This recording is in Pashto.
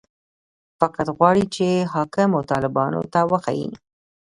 فقط غواړي چې حاکمو طالبانو ته وښيي.